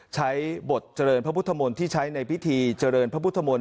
ใช้บทเจริญพระพุทธมนตร์ที่ใช้ในพิธีเจริญพระพุทธมนต